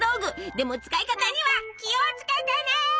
でも使い方には気を付けてね！